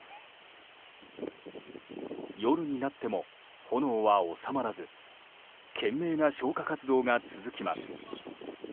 夜になっても炎は収まらず懸命な消火活動が続きます。